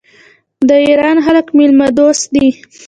د ایران خلک میلمه دوست دي.